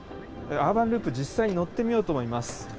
アーバンループ、実際に乗ってみようと思います。